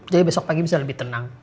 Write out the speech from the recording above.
jadi besok pagi bisa lebih tenang